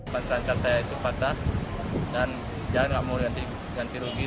panselancar saya itu patah dan jangan gak mau ganti rugi